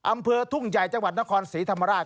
อำเภอทุ่งใหญ่จังหวัดนครศรีธรรมราช